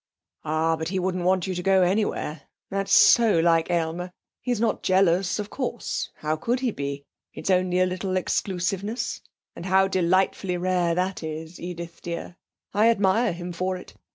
'Ah! But he wouldn't want you to go anywhere. That is so like Aylmer. He's not jealous; of course. How could he be? It's only a little exclusiveness.... And how delightfully rare that is, Edith dear. I admire him for it.